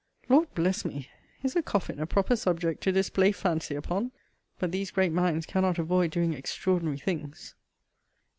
Lord bless me! is a coffin a proper subject to display fancy upon? But these great minds cannot avoid doing extraordinary things!